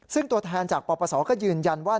ซึ่งตัวแทนจากปปศก็ยืนยันว่า